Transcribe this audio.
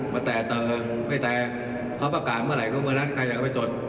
มันแต่เติร์ดไม่แต่เขาประการเมื่อไหร่เมื่อนั้นใครไปจด